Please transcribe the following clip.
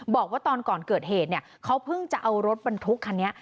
บอกว่าตอนก่อนเกิดเหตุเนี่ยเขาเพิ่งจะเอารถบรรทุกคันนี้